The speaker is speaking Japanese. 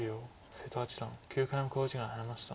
瀬戸八段９回目の考慮時間に入りました。